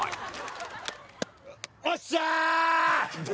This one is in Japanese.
よっしゃー！